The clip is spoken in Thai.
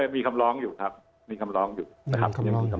มีคำล้องอยู่